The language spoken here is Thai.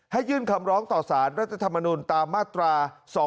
ยื่นคำร้องต่อสารรัฐธรรมนุนตามมาตรา๒๕๖